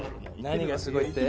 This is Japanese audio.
何がすごいって？